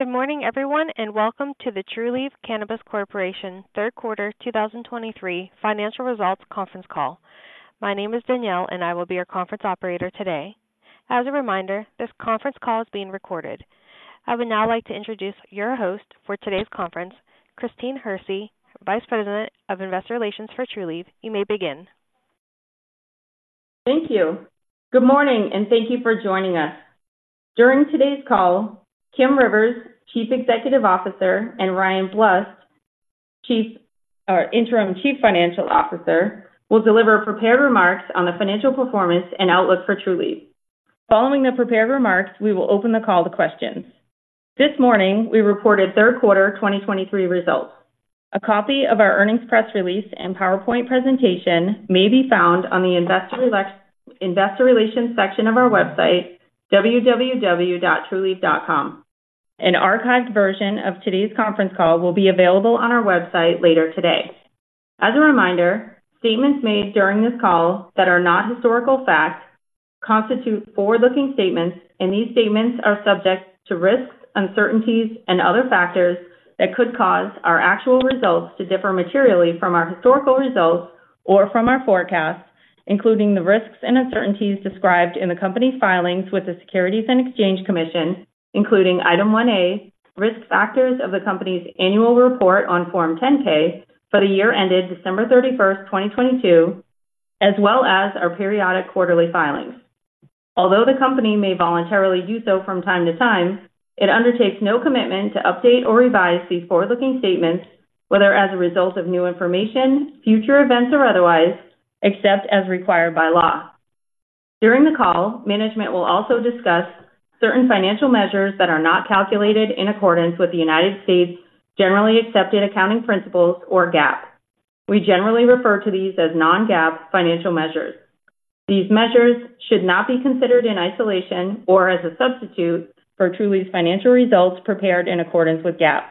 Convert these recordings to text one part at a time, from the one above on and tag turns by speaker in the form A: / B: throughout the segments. A: Good morning, everyone, and welcome to the Trulieve Cannabis Corporation third quarter 2023 financial results conference call. My name is Danielle, and I will be your conference operator today. As a reminder, this conference call is being recorded. I would now like to introduce your host for today's conference, Christine Hersey, Vice President of Investor Relations for Trulieve. You may begin.
B: Thank you. Good morning, and thank you for joining us. During today's call, Kim Rivers, Chief Executive Officer, and Ryan Blust, Chief- or Interim Chief Financial Officer, will deliver prepared remarks on the financial performance and outlook for Trulieve. Following the prepared remarks, we will open the call to questions. This morning, we reported third quarter 2023 results. A copy of our earnings press release and PowerPoint presentation may be found on the Investor Relations section of our website, www.trulieve.com. An archived version of today's conference call will be available on our website later today. As a reminder, statements made during this call that are not historical facts constitute forward-looking statements, and these statements are subject to risks, uncertainties, and other factors that could cause our actual results to differ materially from our historical results or from our forecasts, including the risks and uncertainties described in the company's filings with the Securities and Exchange Commission, including Item 1A, Risk Factors of the company's Annual Report on Form 10-K for the year ended December 31st, 2022, as well as our periodic quarterly filings. Although the company may voluntarily do so from time to time, it undertakes no commitment to update or revise these forward-looking statements, whether as a result of new information, future events, or otherwise, except as required by law. During the call, management will also discuss certain financial measures that are not calculated in accordance with the United States Generally Accepted Accounting Principles, or GAAP. We generally refer to these as non-GAAP financial measures. These measures should not be considered in isolation or as a substitute for Trulieve's financial results prepared in accordance with GAAP.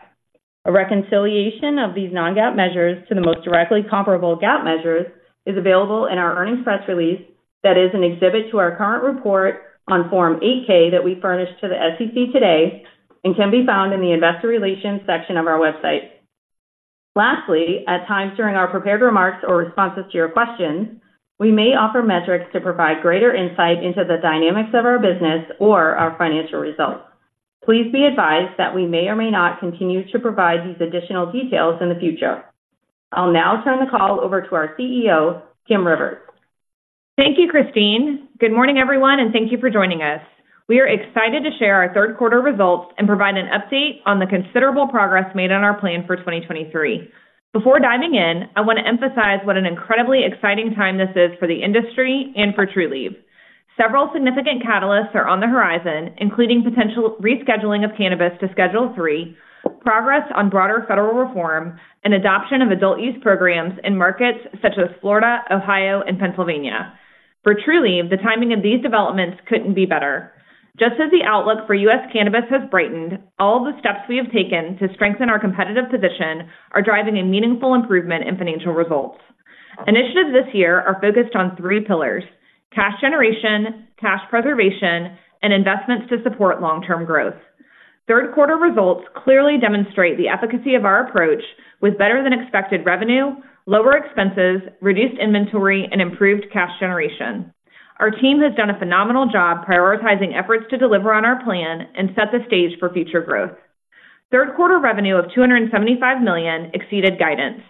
B: A reconciliation of these non-GAAP measures to the most directly comparable GAAP measures is available in our earnings press release that is an exhibit to our current report on Form 8-K that we furnished to the SEC today and can be found in the Investor Relations section of our website. Lastly, at times during our prepared remarks or responses to your questions, we may offer metrics to provide greater insight into the dynamics of our business or our financial results. Please be advised that we may or may not continue to provide these additional details in the future. I'll now turn the call over to our CEO, Kim Rivers.
C: Thank you, Christine. Good morning, everyone, and thank you for joining us. We are excited to share our third quarter results and provide an update on the considerable progress made on our plan for 2023. Before diving in, I want to emphasize what an incredibly exciting time this is for the industry and for Trulieve. Several significant catalysts are on the horizon, including potential rescheduling of cannabis to Schedule III, progress on broader federal reform, and adoption of adult-use programs in markets such as Florida, Ohio, and Pennsylvania. For Trulieve, the timing of these developments couldn't be better. Just as the outlook for U.S. cannabis has brightened, all the steps we have taken to strengthen our competitive position are driving a meaningful improvement in financial results. Initiatives this year are focused on three pillars: cash generation, cash preservation, and investments to support long-term growth. Third quarter results clearly demonstrate the efficacy of our approach with better-than-expected revenue, lower expenses, reduced inventory, and improved cash generation. Our team has done a phenomenal job prioritizing efforts to deliver on our plan and set the stage for future growth. Third quarter revenue of $275 million exceeded guidance.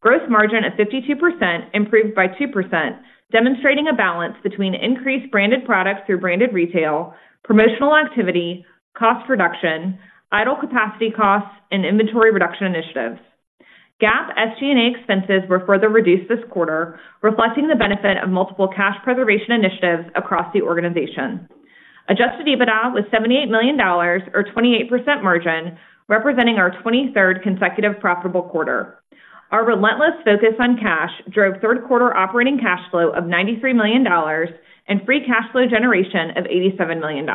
C: Gross margin at 52% improved by 2%, demonstrating a balance between increased branded products through branded retail, promotional activity, cost reduction, idle capacity costs, and inventory reduction initiatives. GAAP SG&A expenses were further reduced this quarter, reflecting the benefit of multiple cash preservation initiatives across the organization. Adjusted EBITDA was $78 million, or 28% margin, representing our 23rd consecutive profitable quarter. Our relentless focus on cash drove third quarter operating cash flow of $93 million and free cash flow generation of $87 million.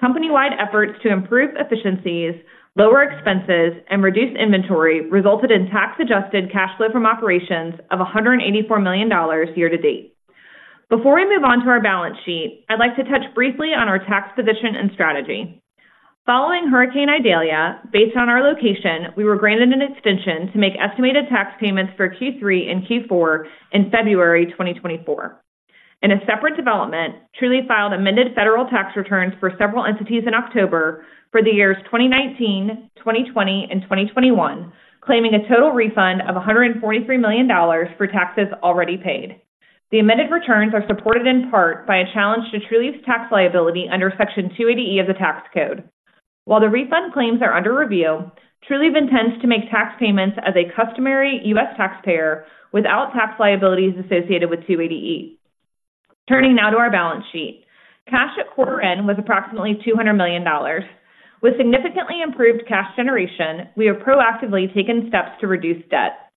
C: Company-wide efforts to improve efficiencies, lower expenses, and reduce inventory resulted in tax-adjusted cash flow from operations of $184 million year to date. Before we move on to our balance sheet, I'd like to touch briefly on our tax position and strategy. Following Hurricane Idalia, based on our location, we were granted an extension to make estimated tax payments for Q3 and Q4 in February 2024. In a separate development, Trulieve filed amended federal tax returns for several entities in October for the years 2019, 2020, and 2021, claiming a total refund of $143 million for taxes already paid. The amended returns are supported in part by a challenge to Trulieve's tax liability under Section 280E of the Tax Code. While the refund claims are under review, Trulieve intends to make tax payments as a customary U.S. taxpayer without tax liabilities associated with 280E. Turning now to our balance sheet. Cash at quarter end was approximately $200 million. With significantly improved cash generation, we have proactively taken steps to reduce debt.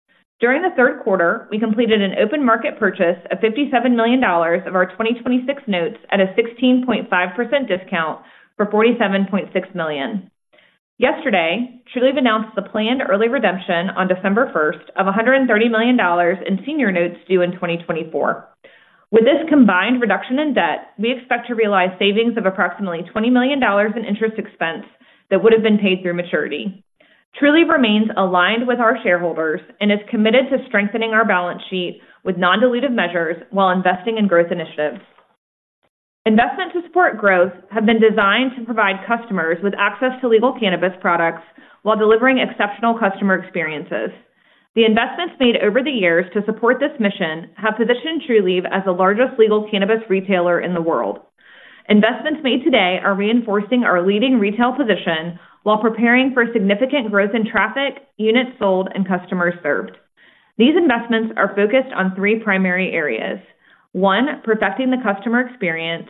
C: During the third quarter, we completed an open market purchase of $57 million of our 2026 notes at a 16.5% discount for $47.6 million. Yesterday, Trulieve announced the planned early redemption on December 1 of $130 million in senior notes due in 2024. With this combined reduction in debt, we expect to realize savings of approximately $20 million in interest expense that would have been paid through maturity. Trulieve remains aligned with our shareholders and is committed to strengthening our balance sheet with non-dilutive measures while investing in growth initiatives. Investments to support growth have been designed to provide customers with access to legal cannabis products while delivering exceptional customer experiences. The investments made over the years to support this mission have positioned Trulieve as the largest legal cannabis retailer in the world. Investments made today are reinforcing our leading retail position while preparing for significant growth in traffic, units sold, and customers served. These investments are focused on three primary areas. One, perfecting the customer experience.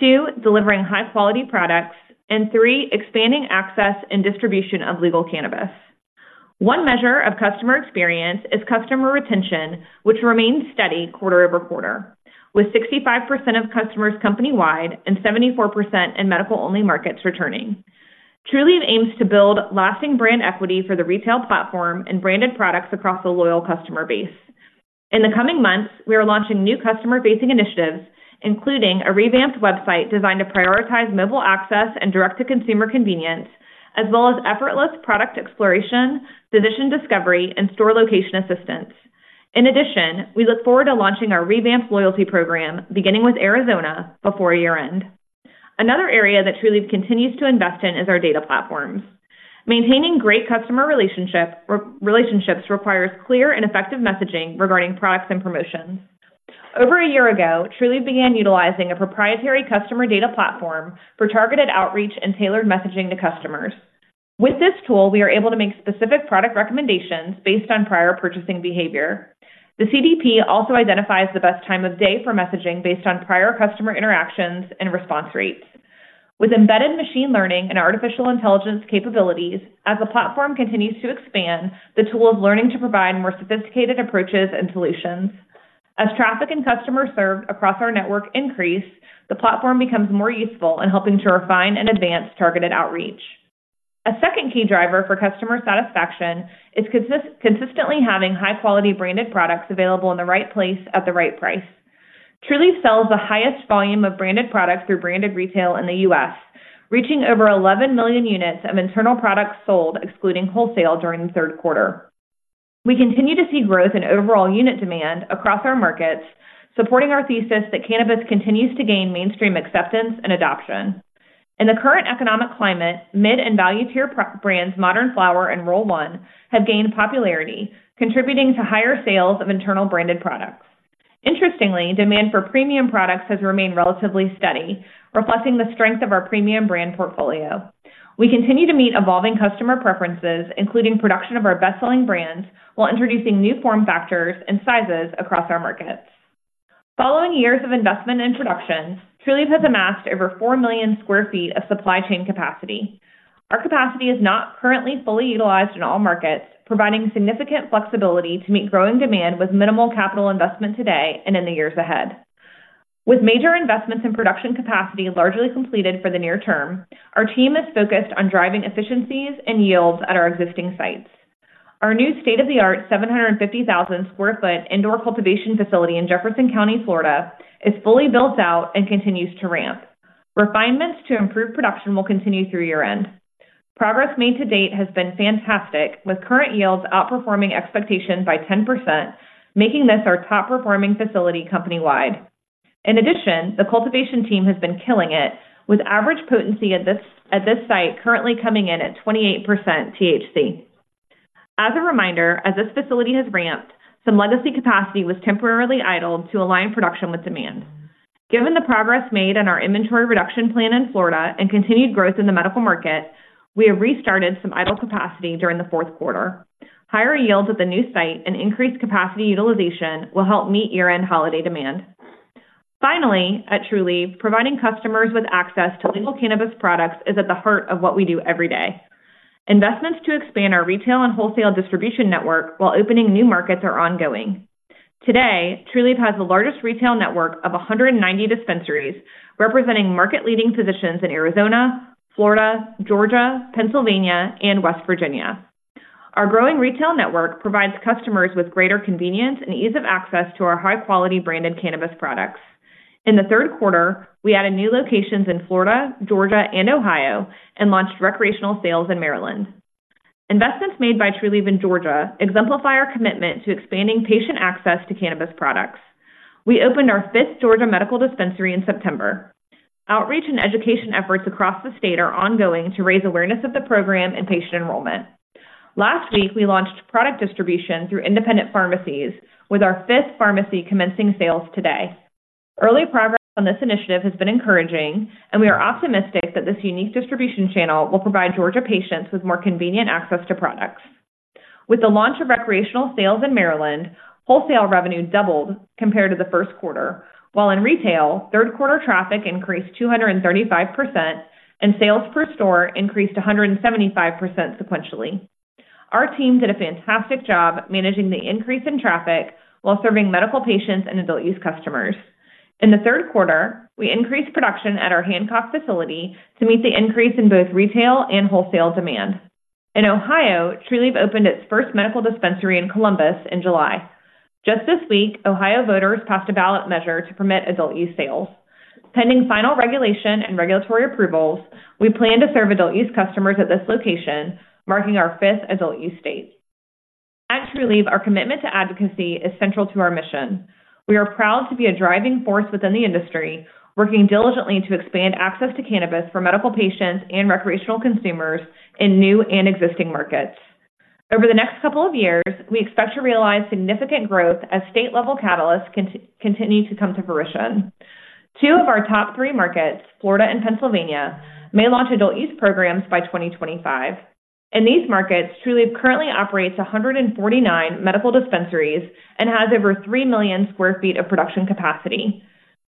C: Two, delivering high-quality products, and three, expanding access and distribution of legal cannabis. One measure of customer experience is customer retention, which remains steady quarter-over-quarter, with 65% of customers company-wide and 74% in medical-only markets returning. Trulieve aims to build lasting brand equity for the retail platform and branded products across a loyal customer base. In the coming months, we are launching new customer-facing initiatives, including a revamped website designed to prioritize mobile access and direct-to-consumer convenience, as well as effortless product exploration, physician discovery, and store location assistance. In addition, we look forward to launching our revamped loyalty program, beginning with Arizona, before year-end. Another area that Trulieve continues to invest in is our data platforms. Maintaining great customer relationships requires clear and effective messaging regarding products and promotions. Over a year ago, Trulieve began utilizing a proprietary customer data platform for targeted outreach and tailored messaging to customers. With this tool, we are able to make specific product recommendations based on prior purchasing behavior. The CDP also identifies the best time of day for messaging based on prior customer interactions and response rates. With embedded machine learning and artificial intelligence capabilities, as the platform continues to expand, the tool is learning to provide more sophisticated approaches and solutions. As traffic and customers served across our network increase, the platform becomes more useful in helping to refine and advance targeted outreach. A second key driver for customer satisfaction is consistently having high-quality branded products available in the right place at the right price. Trulieve sells the highest volume of branded products through branded retail in the U.S., reaching over 11 million units of internal products sold, excluding wholesale, during the third quarter. We continue to see growth in overall unit demand across our markets, supporting our thesis that cannabis continues to gain mainstream acceptance and adoption. In the current economic climate, mid- and value-tier brands, Modern Flower and Roll One, have gained popularity, contributing to higher sales of internal branded products. Interestingly, demand for premium products has remained relatively steady, reflecting the strength of our premium brand portfolio. We continue to meet evolving customer preferences, including production of our best-selling brands, while introducing new form factors and sizes across our markets. Following years of investment and introductions, Trulieve has amassed over four million sq ft of supply chain capacity. Our capacity is not currently fully utilized in all markets, providing significant flexibility to meet growing demand with minimal capital investment today and in the years ahead. With major investments in production capacity largely completed for the near term, our team is focused on driving efficiencies and yields at our existing sites. Our new state-of-the-art 750,000 sq ft indoor cultivation facility in Jefferson County, Florida, is fully built out and continues to ramp. Refinements to improve production will continue through year-end. Progress made to date has been fantastic, with current yields outperforming expectations by 10%, making this our top-performing facility company-wide. In addition, the cultivation team has been killing it, with average potency at this site currently coming in at 28% THC. As a reminder, as this facility has ramped, some legacy capacity was temporarily idled to align production with demand. Given the progress made on our inventory reduction plan in Florida and continued growth in the medical market, we have restarted some idle capacity during the fourth quarter. Higher yields at the new site and increased capacity utilization will help meet year-end holiday demand. Finally, at Trulieve, providing customers with access to legal cannabis products is at the heart of what we do every day. Investments to expand our retail and wholesale distribution network while opening new markets are ongoing. Today, Trulieve has the largest retail network of 190 dispensaries, representing market-leading positions in Arizona, Florida, Georgia, Pennsylvania, and West Virginia. Our growing retail network provides customers with greater convenience and ease of access to our high-quality branded cannabis products. In the third quarter, we added new locations in Florida, Georgia, and Ohio, and launched recreational sales in Maryland. Investments made by Trulieve in Georgia exemplify our commitment to expanding patient access to cannabis products. We opened our fifth Georgia medical dispensary in September. Outreach and education efforts across the state are ongoing to raise awareness of the program and patient enrollment. Last week, we launched product distribution through independent pharmacies, with our fifth pharmacy commencing sales today. Early progress on this initiative has been encouraging, and we are optimistic that this unique distribution channel will provide Georgia patients with more convenient access to products. With the launch of recreational sales in Maryland, wholesale revenue doubled compared to the first quarter, while in retail, third quarter traffic increased 235%, and sales per store increased 175% sequentially. Our team did a fantastic job managing the increase in traffic while serving medical patients and adult use customers. In the third quarter, we increased production at our Hancock facility to meet the increase in both retail and wholesale demand. In Ohio, Trulieve opened its first medical dispensary in Columbus in July. Just this week, Ohio voters passed a ballot measure to permit adult use sales. Pending final regulation and regulatory approvals, we plan to serve adult use customers at this location, marking our fifth adult use state. At Trulieve, our commitment to advocacy is central to our mission. We are proud to be a driving force within the industry, working diligently to expand access to cannabis for medical patients and recreational consumers in new and existing markets. Over the next couple of years, we expect to realize significant growth as state-level catalysts continue to come to fruition. Two of our top three markets, Florida and Pennsylvania, may launch adult use programs by 2025. In these markets, Trulieve currently operates 149 medical dispensaries and has over three million sq ft of production capacity.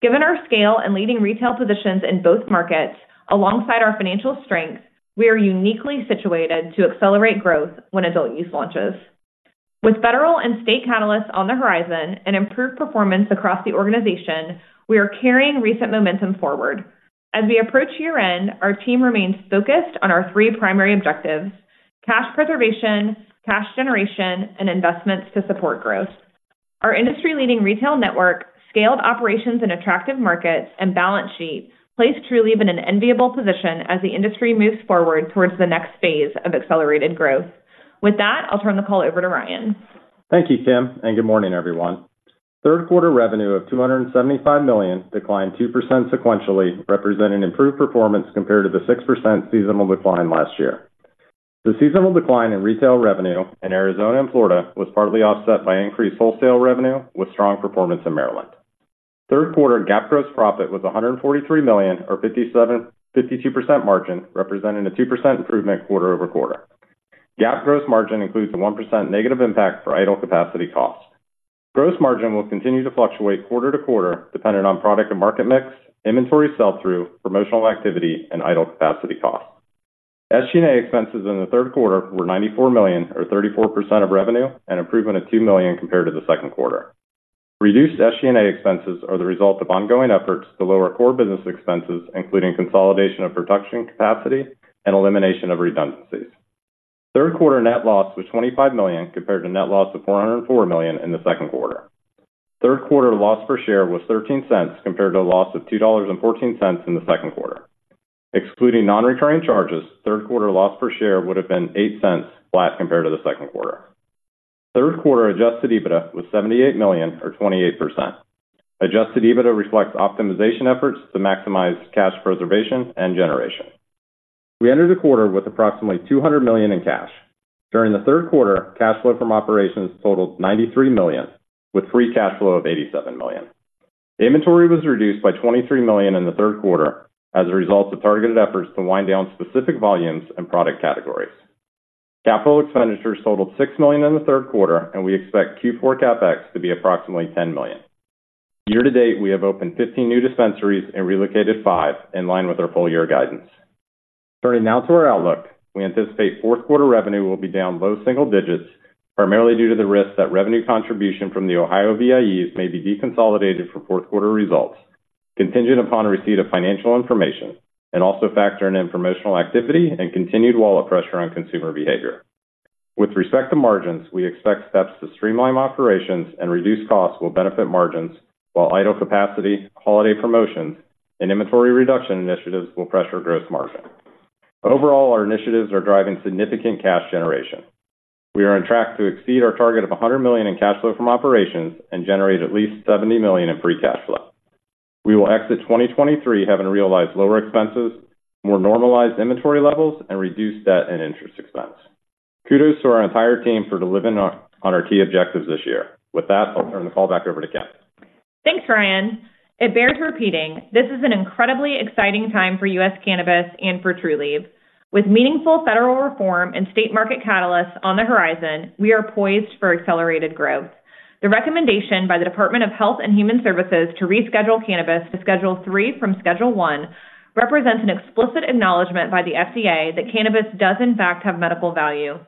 C: Given our scale and leading retail positions in both markets, alongside our financial strength, we are uniquely situated to accelerate growth when adult use launches. With federal and state catalysts on the horizon and improved performance across the organization, we are carrying recent momentum forward. As we approach year-end, our team remains focused on our three primary objectives: cash preservation, cash generation, and investments to support growth. Our industry-leading retail network, scaled operations in attractive markets, and balance sheet place Trulieve in an enviable position as the industry moves forward towards the next phase of accelerated growth. With that, I'll turn the call over to Ryan.
D: Thank you, Kim, and good morning, everyone. Third quarter revenue of $275 million declined 2% sequentially, representing improved performance compared to the 6% seasonal decline last year. The seasonal decline in retail revenue in Arizona and Florida was partly offset by increased wholesale revenue, with strong performance in Maryland. Third quarter GAAP gross profit was $143 million, or 52% margin, representing a 2% improvement quarter-over-quarter. GAAP gross margin includes a 1% negative impact for idle capacity costs. Gross margin will continue to fluctuate quarter to quarter, dependent on product and market mix, inventory sell-through, promotional activity, and idle capacity costs. SG&A expenses in the third quarter were $94 million, or 34% of revenue, an improvement of $2 million compared to the second quarter. Reduced SG&A expenses are the result of ongoing efforts to lower core business expenses, including consolidation of production capacity and elimination of redundancies. Third quarter net loss was $25 million, compared to net loss of $404 million in the second quarter. Third quarter loss per share was $0.13, compared to a loss of $2.14 in the second quarter. Excluding non-recurring charges, third quarter loss per share would have been $0.08, flat compared to the second quarter. Third quarter adjusted EBITDA was $78 million, or 28%. Adjusted EBITDA reflects optimization efforts to maximize cash preservation and generation. We entered the quarter with approximately $200 million in cash. During the third quarter, cash flow from operations totaled $93 million, with free cash flow of $87 million. Inventory was reduced by $23 million in the third quarter as a result of targeted efforts to wind down specific volumes and product categories. Capital expenditures totaled $6 million in the third quarter, and we expect Q4 CapEx to be approximately $10 million. Year to date, we have opened 15 new dispensaries and relocated five, in line with our full year guidance. Turning now to our outlook, we anticipate fourth quarter revenue will be down low single digits, primarily due to the risk that revenue contribution from the Ohio VIEs may be deconsolidated for fourth quarter results, contingent upon receipt of financial information, and also factor in informational activity and continued wallet pressure on consumer behavior. With respect to margins, we expect steps to streamline operations and reduce costs will benefit margins, while idle capacity, holiday promotions, and inventory reduction initiatives will pressure gross margin. But overall, our initiatives are driving significant cash generation. We are on track to exceed our target of $100 million in cash flow from operations and generate at least $70 million in free cash flow. We will exit 2023 having realized lower expenses, more normalized inventory levels, and reduced debt and interest expense. Kudos to our entire team for delivering on our key objectives this year. With that, I'll turn the call back over to Kim.
C: Thanks, Ryan. It bears repeating, this is an incredibly exciting time for U.S. cannabis and for Trulieve. With meaningful federal reform and state market catalysts on the horizon, we are poised for accelerated growth. The recommendation by the Department of Health and Human Services to reschedule cannabis to Schedule III from Schedule I represents an explicit acknowledgment by the FDA that cannabis does in fact have medical value.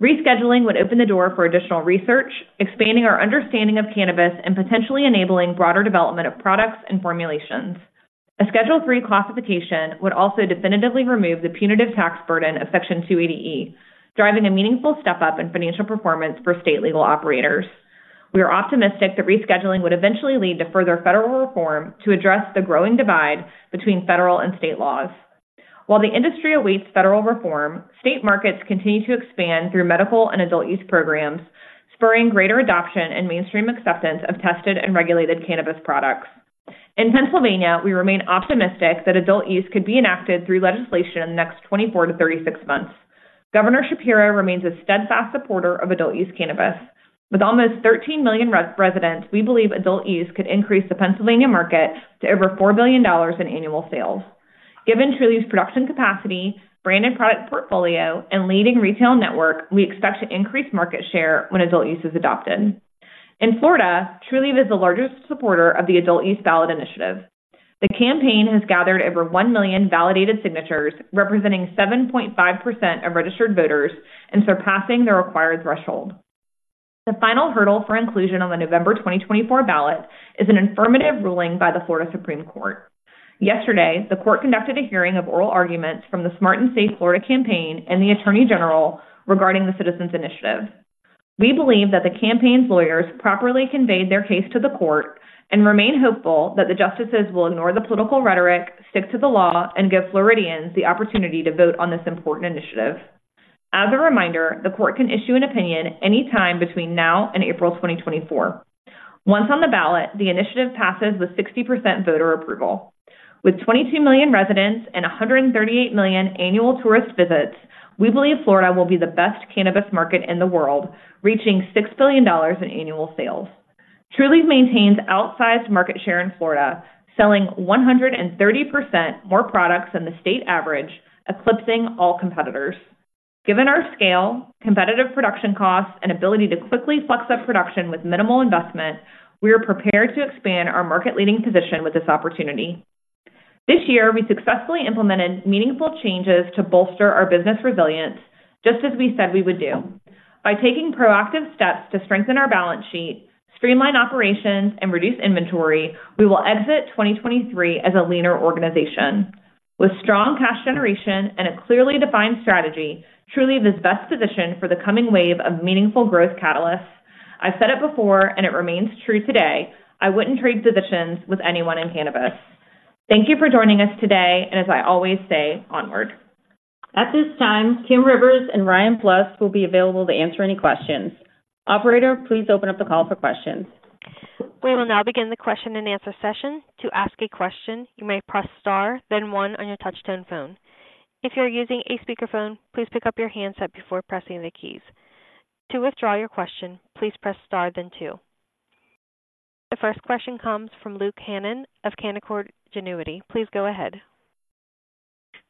C: Rescheduling would open the door for additional research, expanding our understanding of cannabis and potentially enabling broader development of products and formulations. A Schedule III classification would also definitively remove the punitive tax burden of Section 280E, driving a meaningful step-up in financial performance for state legal operators. We are optimistic that rescheduling would eventually lead to further federal reform to address the growing divide between federal and state laws. While the industry awaits federal reform, state markets continue to expand through medical and adult-use programs, spurring greater adoption and mainstream acceptance of tested and regulated cannabis products. In Pennsylvania, we remain optimistic that adult use could be enacted through legislation in the next 24-36 months. Governor Shapiro remains a steadfast supporter of adult-use cannabis. With almost 13 million residents, we believe adult use could increase the Pennsylvania market to over $4 billion in annual sales. Given Trulieve's production capacity, brand and product portfolio, and leading retail network, we expect to increase market share when adult use is adopted. In Florida, Trulieve is the largest supporter of the adult use ballot initiative. The campaign has gathered over 1 million validated signatures, representing 7.5% of registered voters and surpassing the required threshold. The final hurdle for inclusion on the November 2024 ballot is an affirmative ruling by the Florida Supreme Court. Yesterday, the court conducted a hearing of oral arguments from the Smart and Safe Florida campaign and the attorney general regarding the citizens' initiative. We believe that the campaign's lawyers properly conveyed their case to the court and remain hopeful that the justices will ignore the political rhetoric, stick to the law, and give Floridians the opportunity to vote on this important initiative. As a reminder, the court can issue an opinion any time between now and April 2024. Once on the ballot, the initiative passes with 60% voter approval. With 22 million residents and 138 million annual tourist visits, we believe Florida will be the best cannabis market in the world, reaching $6 billion in annual sales. Trulieve maintains outsized market share in Florida, selling 130% more products than the state average, eclipsing all competitors. Given our scale, competitive production costs, and ability to quickly flex up production with minimal investment, we are prepared to expand our market-leading position with this opportunity. This year, we successfully implemented meaningful changes to bolster our business resilience, just as we said we would do. By taking proactive steps to strengthen our balance sheet, streamline operations, and reduce inventory, we will exit 2023 as a leaner organization. With strong cash generation and a clearly defined strategy, Trulieve is best positioned for the coming wave of meaningful growth catalysts. I've said it before and it remains true today. I wouldn't trade positions with anyone in cannabis. Thank you for joining us today, and as I always say, onward. At this time, Kim Rivers and Ryan Blust will be available to answer any questions. Operator, please open up the call for questions.
A: We will now begin the question and answer session. To ask a question, you may press Star, then One on your touchtone phone. If you are using a speakerphone, please pick up your handset before pressing the keys. To withdraw your question, please press Star then Two. The first question comes from Luke Hannan of Canaccord Genuity. Please go ahead.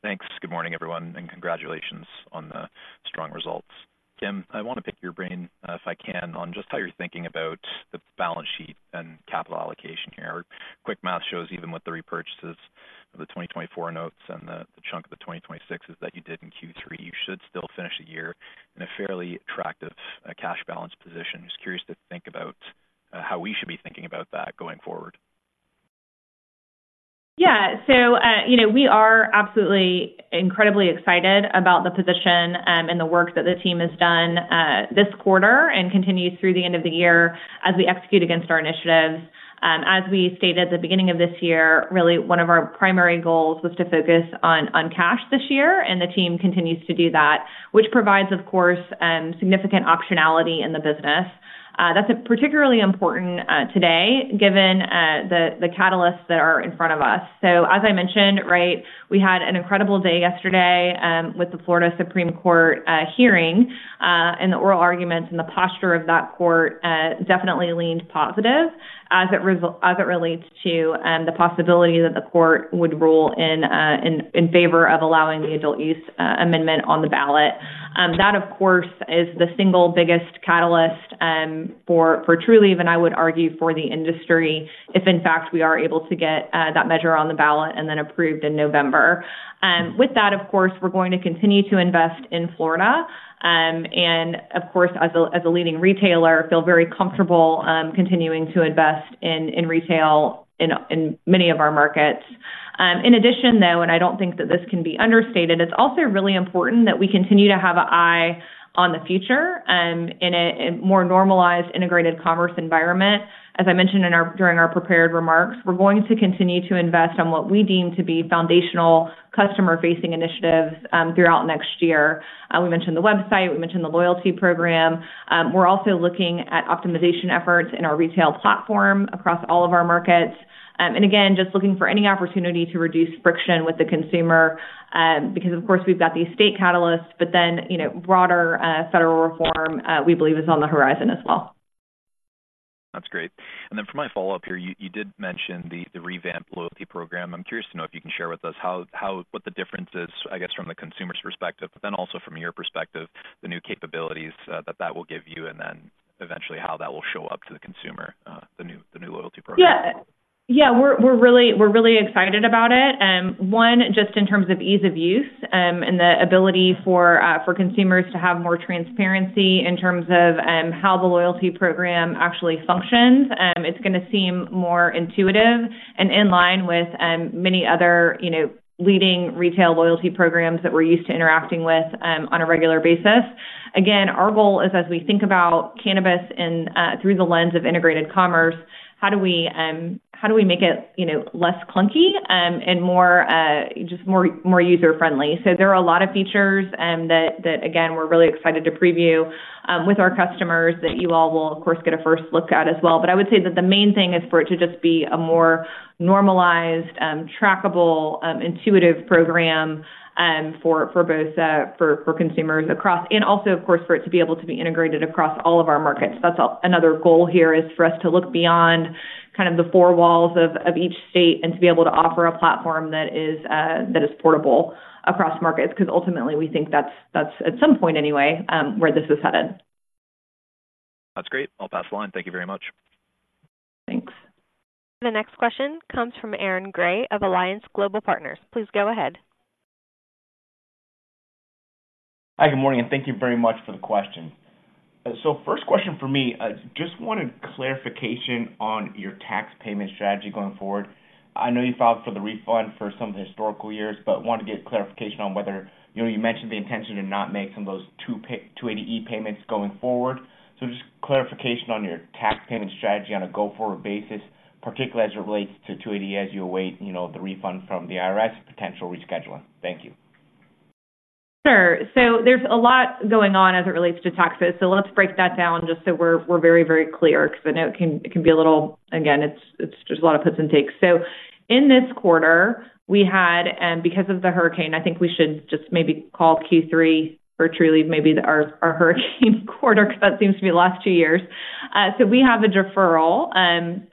E: Thanks. Good morning, everyone, and congratulations on the strong results. Kim, I want to pick your brain, if I can, on just how you're thinking about the balance sheet and capital allocation here. Quick math shows even with the repurchases of the 2024 notes and the, the chunk of the 2026s that you did in Q3, you should still finish the year in a fairly attractive, cash balance position. Just curious to think about, how we should be thinking about that going forward.
C: Yeah. So, you know, we are absolutely incredibly excited about the position, and the work that the team has done, this quarter and continues through the end of the year as we execute against our initiatives. As we stated at the beginning of this year, really, one of our primary goals was to focus on cash this year, and the team continues to do that, which provides, of course, significant optionality in the business. That's particularly important today, given the catalysts that are in front of us. So, as I mentioned, right, we had an incredible day yesterday with the Florida Supreme Court hearing and the oral arguments, and the posture of that court definitely leaned positive as it relates to the possibility that the court would rule in favor of allowing the adult-use amendment on the ballot. That, of course, is the single biggest catalyst for Trulieve, and I would argue for the industry, if in fact, we are able to get that measure on the ballot and then approved in November. With that, of course, we're going to continue to invest in Florida, and of course, as a leading retailer, feel very comfortable continuing to invest in retail in many of our markets. In addition, though, and I don't think that this can be understated, it's also really important that we continue to have an eye on the future, in a more normalized, integrated commerce environment. As I mentioned during our prepared remarks, we're going to continue to invest on what we deem to be foundational customer-facing initiatives throughout next year. We mentioned the website, we mentioned the loyalty program. We're also looking at optimization efforts in our retail platform across all of our markets. And again, just looking for any opportunity to reduce friction with the consumer, because, of course, we've got these state catalysts, but then, you know, broader federal reform, we believe is on the horizon as well.
E: That's great. And then for my follow-up here, you did mention the revamped loyalty program. I'm curious to know if you can share with us how what the difference is, I guess, from the consumer's perspective, but then also from your perspective, the new capabilities that will give you, and then eventually how that will show up to the consumer the new loyalty program?
C: Yeah. Yeah, we're really excited about it. Just in terms of ease of use and the ability for consumers to have more transparency in terms of how the loyalty program actually functions. It's gonna seem more intuitive and in line with many other, you know, leading retail loyalty programs that we're used to interacting with on a regular basis. Again, our goal is as we think about cannabis and through the lens of integrated commerce, how do we make it, you know, less clunky and more just more user-friendly? So there are a lot of features that again, we're really excited to preview with our customers, that you all will, of course, get a first look at as well. But I would say that the main thing is for it to just be a more normalized, trackable, intuitive program for both consumers across and also, of course, for it to be able to be integrated across all of our markets. That's another goal here, is for us to look beyond kind of the four walls of each state and to be able to offer a platform that is portable across markets, because ultimately, we think that's at some point anyway, where this is headed.
E: That's great. I'll pass the line. Thank you very much.
C: Thanks.
A: The next question comes from Aaron Gray of Alliance Global Partners. Please go ahead.
F: Hi, good morning, and thank you very much for the question. So first question for me, I just wanted clarification on your tax payment strategy going forward. I know you filed for the refund for some of the historical years, but wanted to get clarification on whether, you know, you mentioned the intention to not make some of those 280E payments going forward. So just clarification on your tax payment strategy on a go-forward basis, particularly as it relates to 280E, as you await, you know, the refund from the IRS potential rescheduling. Thank you.
C: Sure. So there's a lot going on as it relates to taxes. So let's break that down just so we're very, very clear, because I know it can be a little... Again, it's, there's a lot of puts and takes. So in this quarter, we had because of the hurricane, I think we should just maybe call Q3 virtually maybe our hurricane quarter, because that seems to be the last two years. So we have a deferral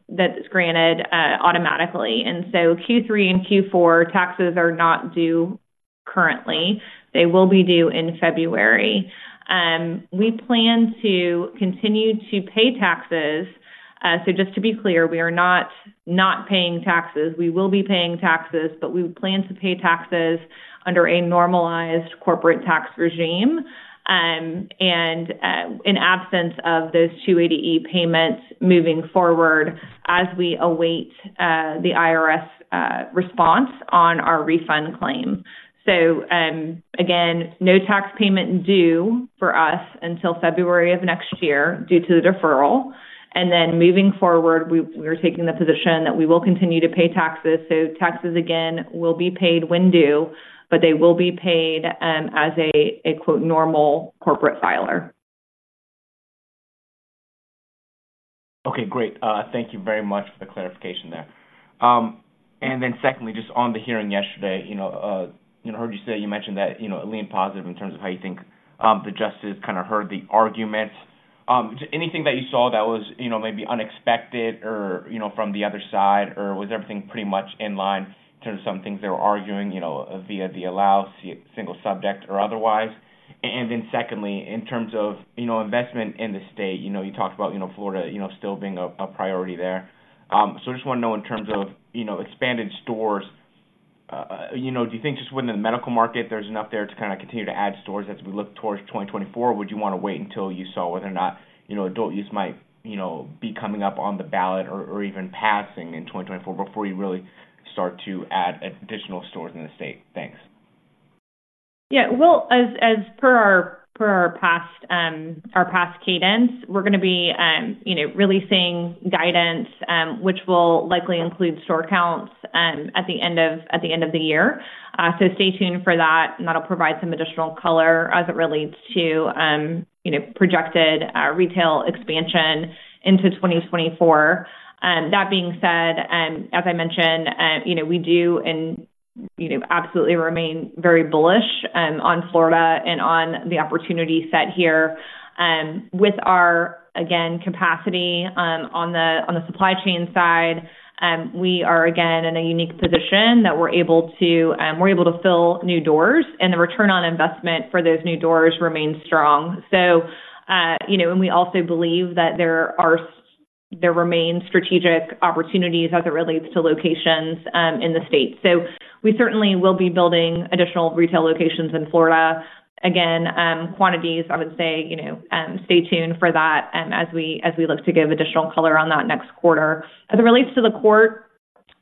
C: that is granted automatically, and so Q3 and Q4 taxes are not due currently. They will be due in February. We plan to continue to pay taxes. So just to be clear, we are not paying taxes. We will be paying taxes, but we plan to pay taxes under a normalized corporate tax regime. In absence of those 280E payments moving forward, as we await the IRS response on our refund claim. So, again, no tax payment due for us until February of next year due to the deferral. And then moving forward, we are taking the position that we will continue to pay taxes. So taxes, again, will be paid when due, but they will be paid as a quote, normal corporate filer.
F: Okay, great. Thank you very much for the clarification there. And then secondly, just on the hearing yesterday, you know, you know, I heard you say you mentioned that, you know, lean positive in terms of how you think, the justice kind of heard the arguments. Anything that you saw that was, you know, maybe unexpected or, you know, from the other side, or was everything pretty much in line in terms of some things they were arguing, you know, via the allow, single subject or otherwise? And then secondly, in terms of, you know, investment in the state, you know, you talked about, you know, Florida, you know, still being a priority there. So just want to know in terms of, you know, expanded stores, you know, do you think just within the medical market, there's enough there to kind of continue to add stores as we look towards 2024? Would you want to wait until you saw whether or not, you know, adult use might, you know, be coming up on the ballot or, or even passing in 2024 before you really start to add additional stores in the state? Thanks.
C: Yeah, well, as per our past cadence, we're gonna be, you know, releasing guidance, which will likely include store counts, at the end of the year. So stay tuned for that, and that'll provide some additional color as it relates to, you know, projected retail expansion into 2024. That being said, as I mentioned, you know, we do and, you know, absolutely remain very bullish on Florida and on the opportunity set here. With our again capacity on the supply chain side, we are again in a unique position that we're able to fill new doors, and the return on investment for those new doors remains strong. So, you know, and we also believe that there remains strategic opportunities as it relates to locations, in the state. So we certainly will be building additional retail locations in Florida. Again, quantities, I would say, you know, stay tuned for that, as we look to give additional color on that next quarter. As it relates to the court,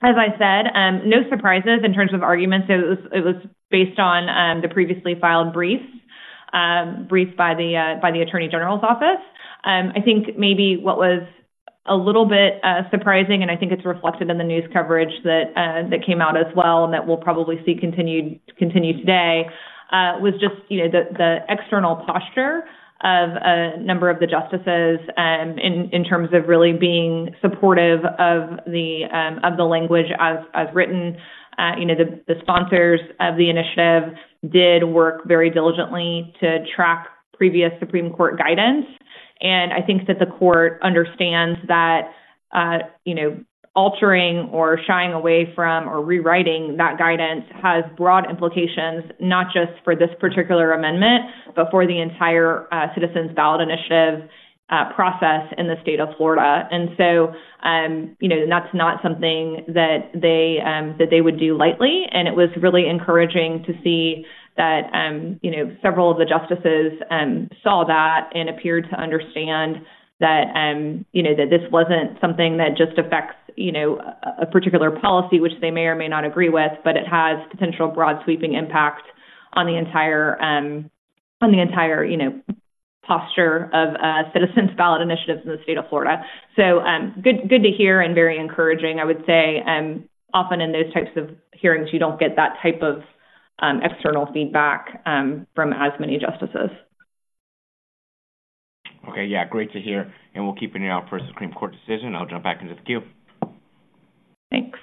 C: as I said, no surprises in terms of arguments. It was based on, the previously filed briefs, briefed by the, by the Attorney General's office. I think maybe what was a little bit surprising, and I think it's reflected in the news coverage that that came out as well, and that we'll probably see continue today, was just, you know, the external posture of a number of the justices, in terms of really being supportive of the language as written. You know, the sponsors of the initiative did work very diligently to track previous Supreme Court guidance. And I think that the court understands that, you know, altering or shying away from or rewriting that guidance has broad implications, not just for this particular amendment, but for the entire citizens' ballot initiative process in the state of Florida. You know, that's not something that they would do lightly, and it was really encouraging to see that, you know, several of the justices saw that and appeared to understand that, you know, that this wasn't something that just affects, you know, a particular policy, which they may or may not agree with, but it has potential broad sweeping impacts on the entire, on the entire, you know, posture of citizens' ballot initiatives in the state of Florida. So, good, good to hear, and very encouraging, I would say. Often in those types of hearings, you don't get that type of external feedback from as many justices.
F: Okay, yeah, great to hear, and we'll keep an ear out for a Supreme Court decision. I'll jump back into the queue.
C: Thanks.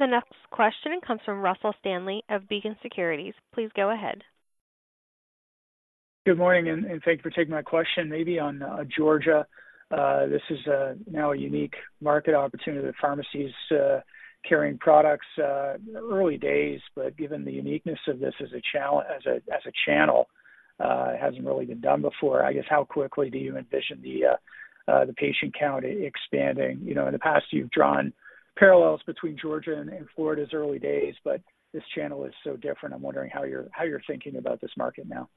A: The next question comes from Russell Stanley of Beacon Securities. Please go ahead.
G: Good morning, and thank you for taking my question. Maybe on Georgia, this is now a unique market opportunity for pharmacies carrying products, early days, but given the uniqueness of this as a channel. It hasn't really been done before. I guess, how quickly do you envision the patient count expanding? You know, in the past, you've drawn parallels between Georgia and Florida's early days, but this channel is so different. I'm wondering how you're thinking about this market now.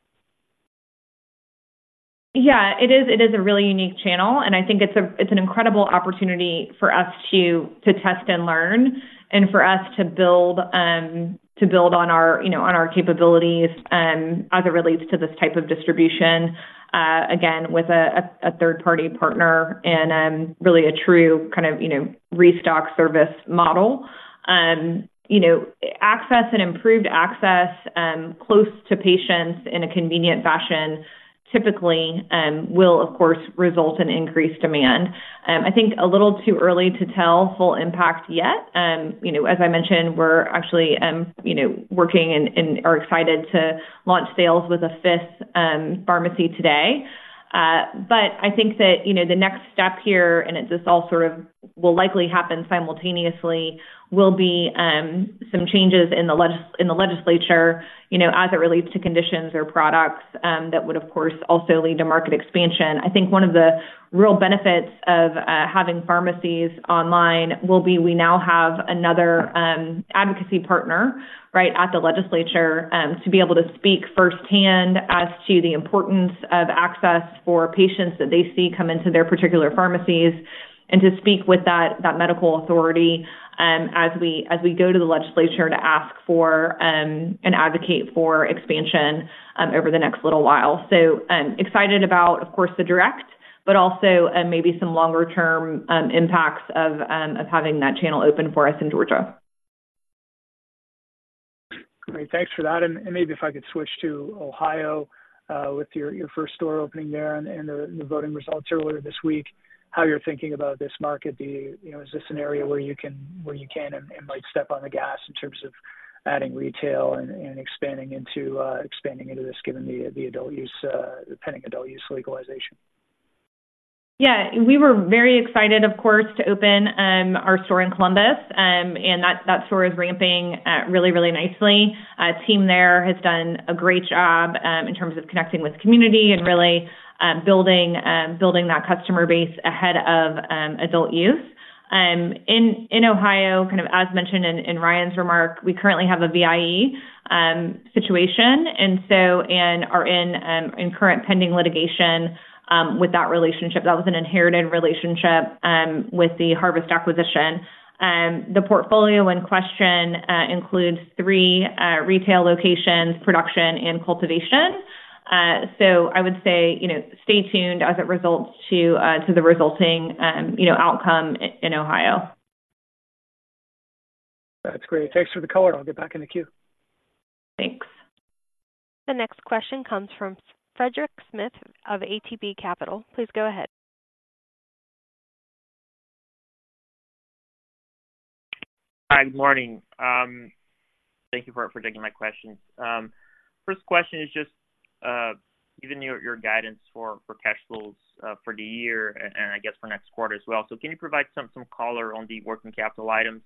C: Yeah, it is, it is a really unique channel, and I think it's a, it's an incredible opportunity for us to, to test and learn, and for us to build, to build on our, you know, on our capabilities, as it relates to this type of distribution, again, with a, a third-party partner and, really a true kind of, you know, restock service model. You know, access and improved access, close to patients in a convenient fashion, typically, will, of course, result in increased demand. I think a little too early to tell full impact yet. You know, as I mentioned, we're actually, you know, working and, and are excited to launch sales with a fifth, pharmacy today. But I think that, you know, the next step here, and this all sort of will likely happen simultaneously, will be some changes in the legislature, you know, as it relates to conditions or products that would, of course, also lead to market expansion. I think one of the real benefits of having pharmacies online will be we now have another advocacy partner, right, at the legislature to be able to speak firsthand as to the importance of access for patients that they see come into their particular pharmacies, and to speak with that medical authority as we go to the legislature to ask for and advocate for expansion over the next little while. excited about, of course, the direct, but also, maybe some longer-term impacts of having that channel open for us in Georgia.
G: Great. Thanks for that. And maybe if I could switch to Ohio, with your first store opening there and the voting results earlier this week, how you're thinking about this market. You know, is this an area where you can and might step on the gas in terms of adding retail and expanding into this, given the adult use, the pending adult-use legalization?
C: Yeah, we were very excited, of course, to open our store in Columbus, and that store is ramping really, really nicely. Our team there has done a great job in terms of connecting with community and really building that customer base ahead of adult-use. In Ohio, kind of as mentioned in Ryan's remark, we currently have a VIE situation, and so are in current pending litigation with that relationship. That was an inherited relationship with the Harvest acquisition. The portfolio in question includes 3 retail locations, production, and cultivation. So I would say, you know, stay tuned as it relates to the resulting, you know, outcome in Ohio.
G: That's great. Thanks for the color. I'll get back in the queue.
C: Thanks.
A: The next question comes from Frederick Smith of ATB Capital. Please go ahead.
H: Hi, good morning. Thank you for taking my questions. First question is just, given your, your guidance for, for cash flows, for the year, and, and I guess for next quarter as well. So can you provide some, some color on the working capital items?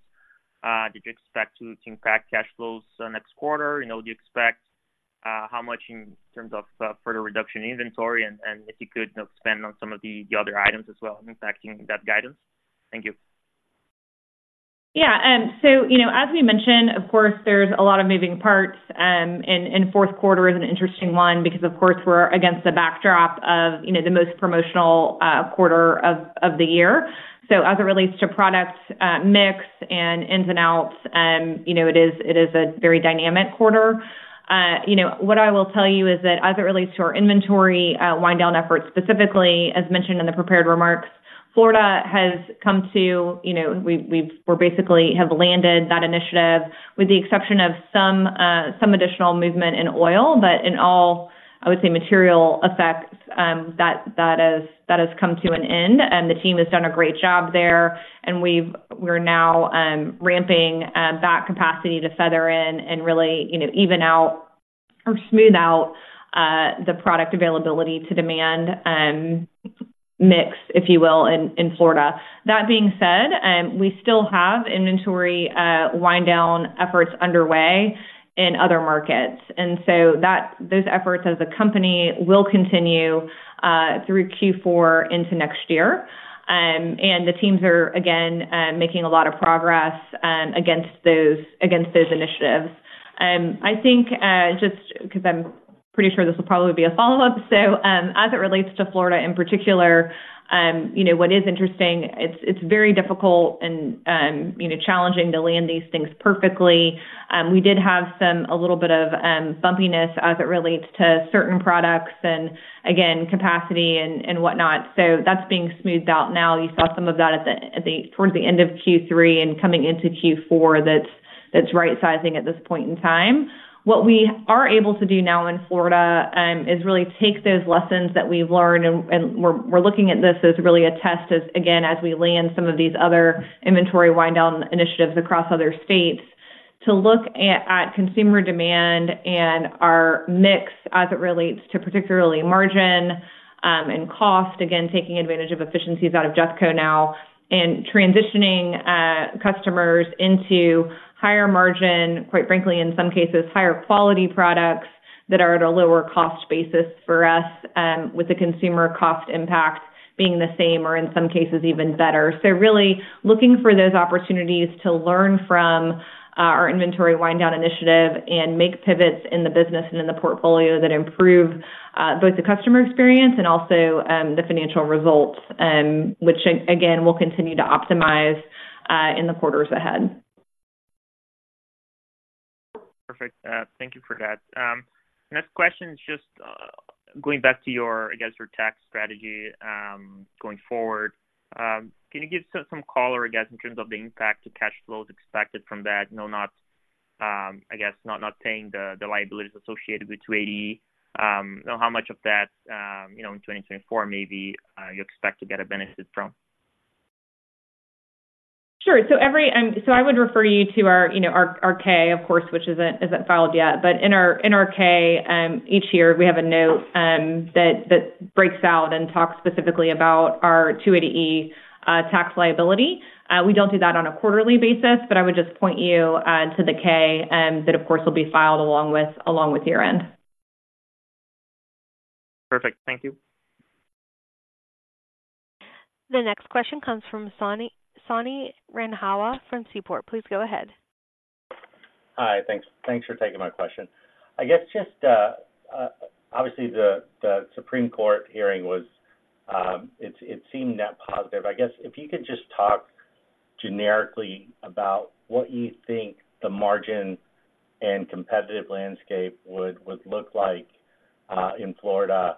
H: Did you expect to impact cash flows next quarter? You know, do you expect, how much in terms of, further reduction in inventory? And, if you could, you know, expand on some of the, the other items as well, impacting that guidance. Thank you.
C: Yeah, so, you know, as we mentioned, of course, there's a lot of moving parts, and fourth quarter is an interesting one because, of course, we're against the backdrop of, you know, the most promotional quarter of the year. So as it relates to product mix and ins and outs, you know, it is a very dynamic quarter. You know, what I will tell you is that as it relates to our inventory wind down efforts, specifically, as mentioned in the prepared remarks, Florida has come to, you know, we've basically landed that initiative, with the exception of some additional movement in oil. But in all, I would say, material effects, that has come to an end, and the team has done a great job there. And we're now ramping that capacity to feather in and really, you know, even out or smooth out the product availability to demand mix, if you will, in Florida. That being said, we still have inventory wind down efforts underway in other markets. And so that, those efforts as a company will continue through Q4 into next year. And the teams are, again, making a lot of progress against those initiatives. I think just because I'm pretty sure this will probably be a follow-up. So, as it relates to Florida in particular, you know, what is interesting, it's very difficult and, you know, challenging to land these things perfectly. We did have some, a little bit of, bumpiness as it relates to certain products and, again, capacity and whatnot. So that's being smoothed out now. You saw some of that towards the end of Q3 and coming into Q4. That's right-sizing at this point in time. What we are able to do now in Florida is really take those lessons that we've learned, and we're looking at this as really a test as, again, as we land some of these other inventory wind down initiatives across other states, to look at consumer demand and our mix as it relates to particularly margin. and cost, again, taking advantage of efficiencies out of JeffCo now and transitioning, customers into higher margin, quite frankly, in some cases, higher quality products that are at a lower cost basis for us, with the consumer cost impact being the same or in some cases, even better. So really looking for those opportunities to learn from, our inventory wind down initiative and make pivots in the business and in the portfolio that improve, both the customer experience and also, the financial results, which again, we'll continue to optimize, in the quarters ahead.
H: Perfect. Thank you for that. Next question is just, going back to your, I guess, your tax strategy, going forward. Can you give us some color, I guess, in terms of the impact to cash flows expected from that? You know, not, I guess, not, not paying the, the liabilities associated with 280E. How much of that, you know, in 2024 maybe, you expect to get a benefit from?
C: Sure. So I would refer you to our, you know, our 10-K, of course, which isn't filed yet. But in our 10-K, each year we have a note that breaks out and talks specifically about our 280E tax liability. We don't do that on a quarterly basis, but I would just point you to the 10-K that of course will be filed along with year-end.
H: Perfect. Thank you.
A: The next question comes from Pablo Zuanic from Seaport Research Partners. Please go ahead.
I: Hi, thanks, thanks for taking my question. I guess just obviously the Supreme Court hearing was it seemed net positive. I guess if you could just talk generically about what you think the margin and competitive landscape would look like in Florida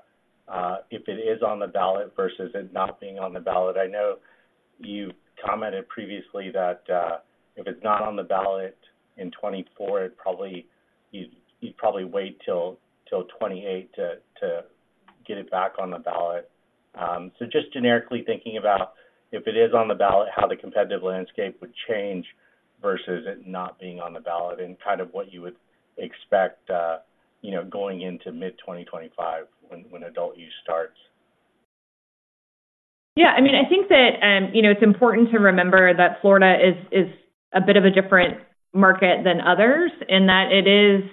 I: if it is on the ballot versus it not being on the ballot. I know you commented previously that if it's not on the ballot in 2024, it probably you'd probably wait till 2028 to get it back on the ballot. So just generically thinking about if it is on the ballot, how the competitive landscape would change versus it not being on the ballot and kind of what you would expect you know going into mid-2025 when adult-use starts.
C: Yeah, I mean, I think that, you know, it's important to remember that Florida is a bit of a different market than others, and that it is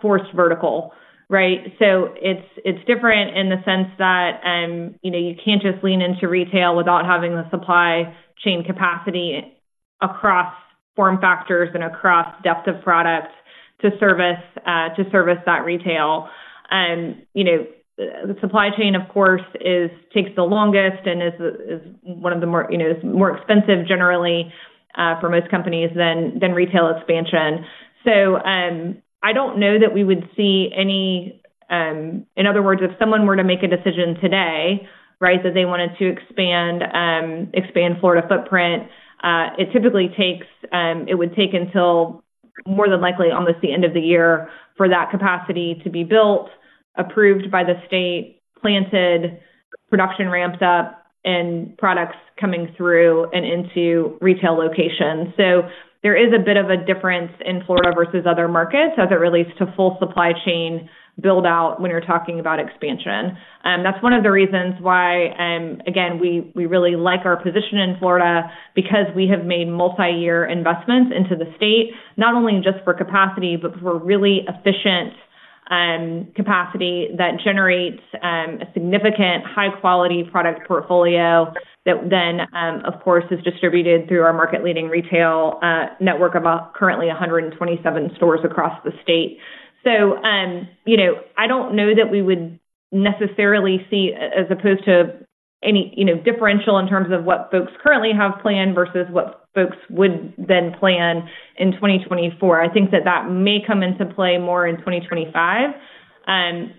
C: forced vertical, right? So it's different in the sense that, you know, you can't just lean into retail without having the supply chain capacity across form factors and across depth of products to service that retail. You know, the supply chain, of course, is... takes the longest and is one of the more, you know, more expensive generally for most companies than retail expansion. So, I don't know that we would see any, in other words, if someone were to make a decision today, right, that they wanted to expand, expand Florida footprint, it typically takes, it would take until more than likely, almost the end of the year for that capacity to be built, approved by the state, planted, production ramped up, and products coming through and into retail locations. So there is a bit of a difference in Florida versus other markets as it relates to full supply chain build-out when you're talking about expansion. That's one of the reasons why, again, we really like our position in Florida, because we have made multi-year investments into the state, not only just for capacity, but for really efficient capacity that generates a significant high quality product portfolio that then, of course, is distributed through our market-leading retail network of about currently 127 stores across the state. So, you know, I don't know that we would necessarily see as opposed to any, you know, differential in terms of what folks currently have planned versus what folks would then plan in 2024. I think that that may come into play more in 2025.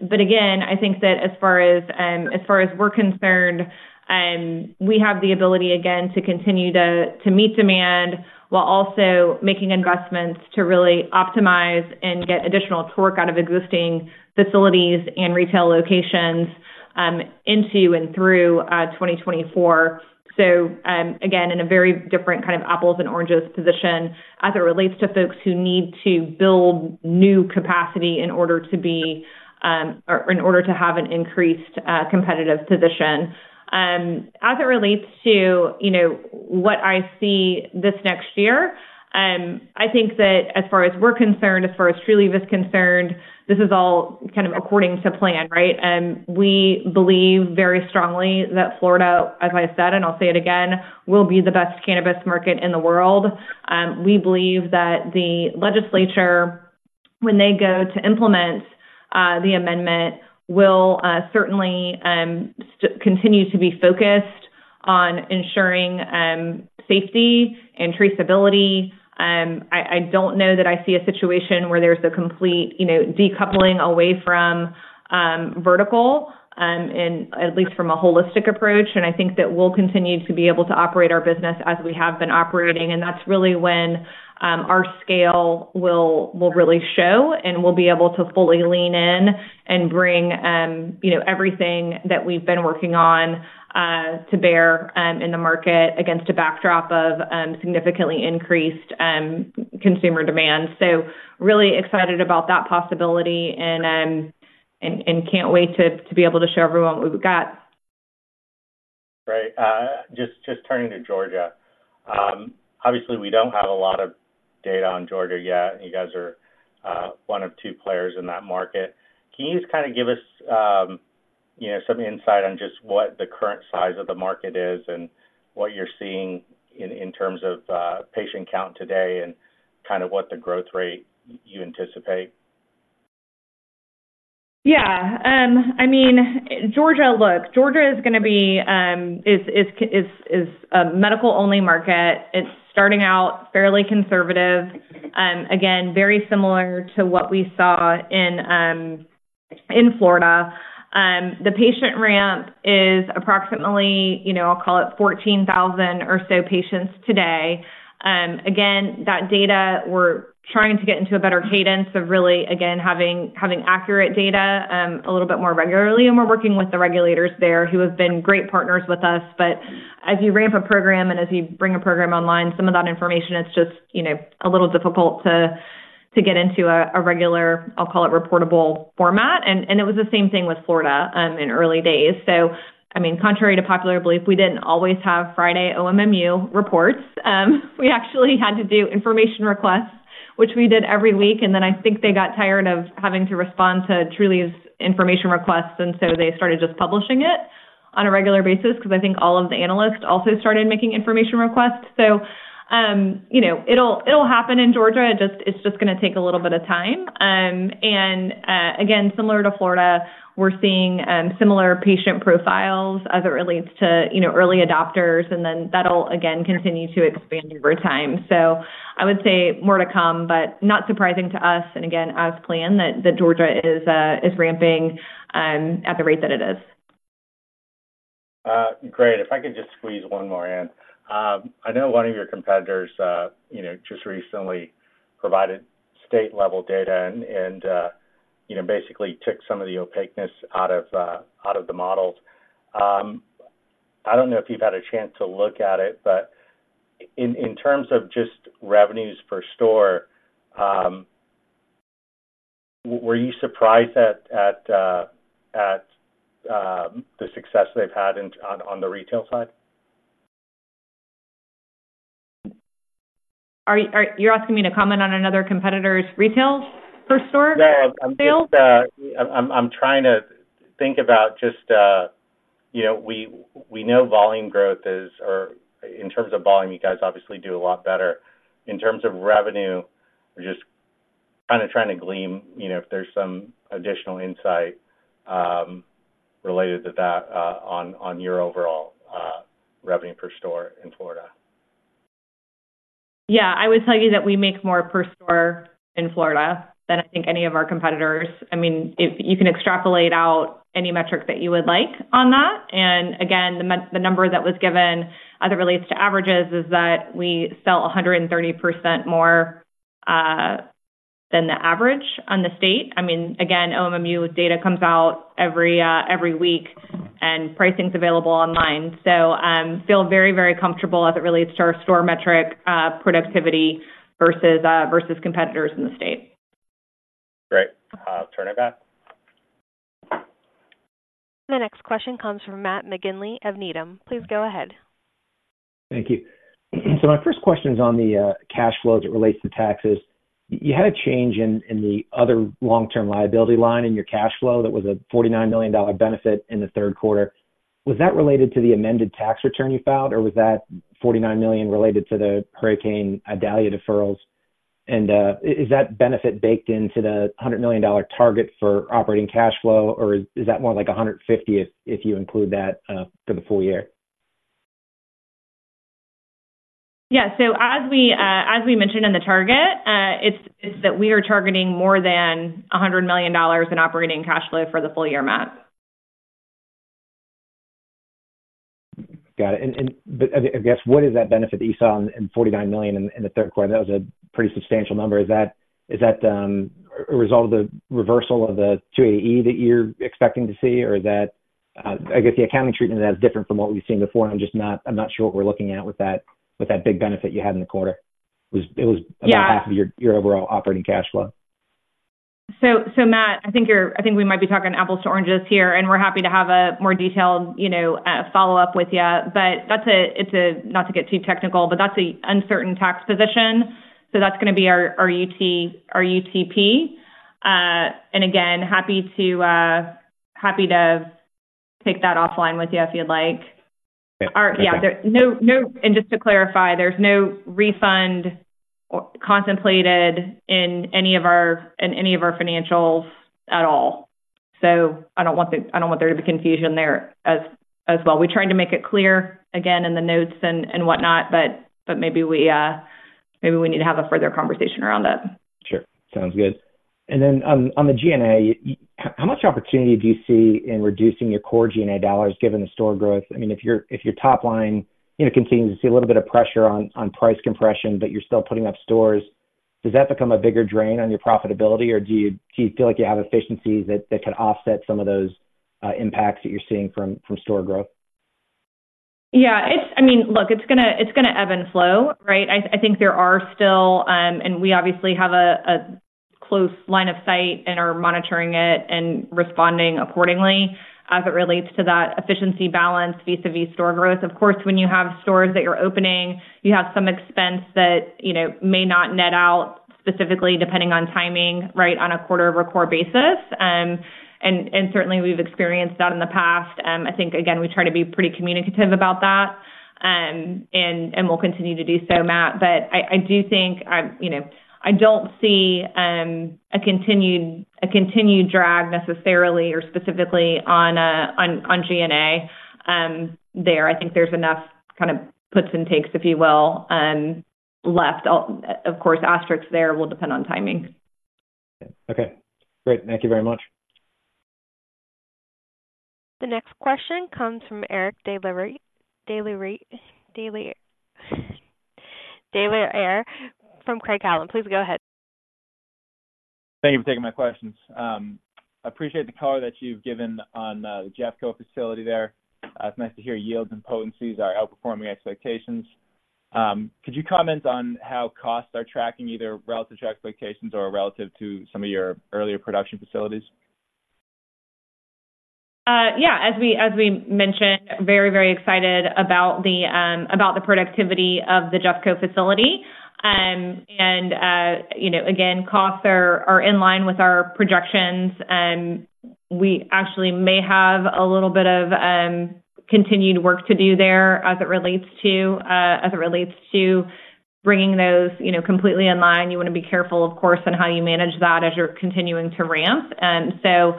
C: But again, I think that as far as, as far as we're concerned, we have the ability again to continue to meet demand while also making investments to really optimize and get additional torque out of existing facilities and retail locations, into and through 2024. So, again, in a very different kind of apples and oranges position as it relates to folks who need to build new capacity in order to be, or in order to have an increased, competitive position. As it relates to, you know, what I see this next year, I think that as far as we're concerned, as far as Trulieve is concerned, this is all kind of according to plan, right? We believe very strongly that Florida, as I said, and I'll say it again, will be the best cannabis market in the world. We believe that the legislature, when they go to implement the amendment, will certainly continue to be focused on ensuring safety and traceability. I don't know that I see a situation where there's a complete, you know, decoupling away from vertical and at least from a holistic approach. And I think that we'll continue to be able to operate our business as we have been operating, and that's really when our scale will really show, and we'll be able to fully lean in and bring, you know, everything that we've been working on to bear in the market against a backdrop of significantly increased consumer demand. So really excited about that possibility and can't wait to be able to show everyone what we've got.
I: just turning to Georgia. Obviously, we don't have a lot of data on Georgia yet. You guys are one of two players in that market. Can you just kind of give us, you know, some insight on just what the current size of the market is and what you're seeing in terms of patient count today and kind of what the growth rate you anticipate?
C: Yeah, I mean, Georgia, look, Georgia is gonna be a medical-only market. It's starting out fairly conservative. Again, very similar to what we saw in Florida. The patient ramp is approximately, you know, I'll call it 14,000 or so patients today. Again, that data, we're trying to get into a better cadence of really, again, having accurate data a little bit more regularly. And we're working with the regulators there, who have been great partners with us. But as you ramp a program and as you bring a program online, some of that information is just, you know, a little difficult to get into a regular, I'll call it, reportable format. And it was the same thing with Florida in early days. So, I mean, contrary to popular belief, we didn't always have Friday OMMU reports. We actually had to do information requests, which we did every week, and then I think they got tired of having to respond to Trulieve's information requests, and so they started just publishing it on a regular basis, because I think all of the analysts also started making information requests. So, you know, it'll happen in Georgia. It's just gonna take a little bit of time. And, again, similar to Florida, we're seeing similar patient profiles as it relates to, you know, early adopters, and then that'll again continue to expand over time. So I would say more to come, but not surprising to us, and again, as planned, that Georgia is ramping at the rate that it is.
I: Great. If I could just squeeze one more in. I know one of your competitors, you know, just recently provided state-level data and, you know, basically took some of the opaqueness out of the models. I don't know if you've had a chance to look at it, but in terms of just revenues per store, were you surprised at the success they've had on the retail side?
C: You're asking me to comment on another competitor's retail per store?
I: No, I'm just trying to think about just, you know, we know volume growth is, or in terms of volume, you guys obviously do a lot better. In terms of revenue, we're just kind of trying to glean, you know, if there's some additional insight related to that, on your overall revenue per store in Florida.
C: Yeah, I would tell you that we make more per store in Florida than I think any of our competitors. I mean, if you can extrapolate out any metric that you would like on that, and again, the number that was given as it relates to averages, is that we sell 130% more than the average on the state. I mean, again, OMMU data comes out every week, and pricing's available online. So, feel very, very comfortable as it relates to our store metric productivity versus competitors in the state.
I: Great. I'll turn it back.
A: The next question comes from Matt McGinley of Needham. Please go ahead.
J: Thank you. So my first question is on the cash flow as it relates to taxes. You had a change in the other long-term liability line in your cash flow. That was a $49 million benefit in the third quarter. Was that related to the amended tax return you filed, or was that $49 million related to the Hurricane Idalia deferrals? And, is that benefit baked into the $100 million target for operating cash flow, or is that more like 150 if you include that for the full year?
C: Yeah. So as we mentioned in the target, it's that we are targeting more than $100 million in operating cash flow for the full year, Matt.
J: Got it. But I guess, what is that benefit that you saw in $49 million in the third quarter? That was a pretty substantial number. Is that a result of the reversal of the 280E that you're expecting to see, or is that, I guess, the accounting treatment of that is different from what we've seen before, and I'm just not, I'm not sure what we're looking at with that big benefit you had in the quarter. It was-
C: Yeah.
J: about half of your overall operating cash flow.
C: So, Matt, I think you're—I think we might be talking apples to oranges here, and we're happy to have a more detailed, you know, follow-up with you. But that's a—it's a, not to get too technical, but that's an uncertain tax position, so that's gonna be our UTP. And again, happy to take that offline with you if you'd like.
J: Okay.
C: No, no, and just to clarify, there's no refund contemplated in any of our financials at all. So I don't want there to be confusion there as well. We tried to make it clear, again, in the notes and whatnot, but maybe we need to have a further conversation around that.
J: Sure. Sounds good. And then on the SG&A, how much opportunity do you see in reducing your core SG&A dollars, given the store growth? I mean, if your top line, you know, continues to see a little bit of pressure on price compression, but you're still putting up stores, does that become a bigger drain on your profitability, or do you feel like you have efficiencies that could offset some of those impacts that you're seeing from store growth?
C: Yeah, it's—I mean, look, it's gonna, it's gonna ebb and flow, right? I, I think there are still, and we obviously have a close line of sight and are monitoring it and responding accordingly as it relates to that efficiency balance vis-a-vis store growth. Of course, when you have stores that you're opening, you have some expense that, you know, may not net out specifically, depending on timing, right, on a quarter-over-quarter basis. And certainly we've experienced that in the past. I think, again, we try to be pretty communicative about that, and we'll continue to do so, Matt. But I, I do think, I, you know, I don't see a continued, a continued drag necessarily or specifically on SG&A there. I think there's enough kind of puts and takes, if you will, left. Of course, asterisks there will depend on timing.
I: Okay, great. Thank you very much.
A: The next question comes from Eric Des Lauriers from Craig-Hallum. Please go ahead.
K: Thank you for taking my questions. I appreciate the color that you've given on the JeffCo facility there. It's nice to hear yields and potencies are outperforming expectations. Could you comment on how costs are tracking, either relative to expectations or relative to some of your earlier production facilities?
C: Yeah, as we mentioned, very, very excited about the productivity of the JeffCo facility. And, you know, again, costs are in line with our projections, and we actually may have a little bit of continued work to do there as it relates to bringing those, you know, completely in line. You want to be careful, of course, on how you manage that as you're continuing to ramp. So,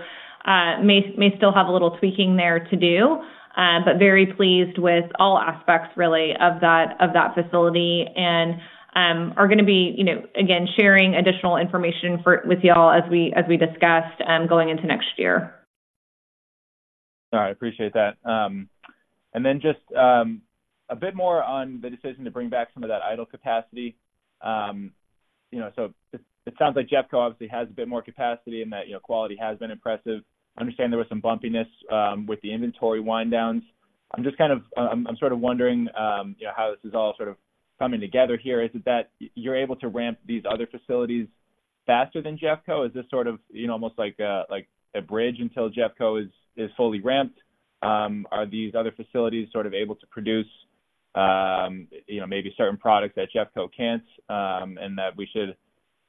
C: may still have a little tweaking there to do, but very pleased with all aspects, really, of that facility and are gonna be, you know, again, sharing additional information for—with you all, as we discussed, going into next year.
K: All right. I appreciate that. And then just a bit more on the decision to bring back some of that idle capacity. You know, so it sounds like JeffCo obviously has a bit more capacity and that, you know, quality has been impressive. I understand there was some bumpiness with the inventory wind downs. I'm just kind of, I'm sort of wondering, you know, how this is all sort of coming together here. Is it that you're able to ramp these other facilities faster than JeffCo? Is this sort of, you know, almost like a bridge until JeffCo is fully ramped? Are these other facilities sort of able to produce, you know, maybe certain products that JeffCo can't, and that we should